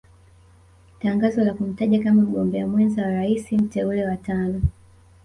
Tangazo la kumtaja kama mgombea mwenza wa rais mteule wa tano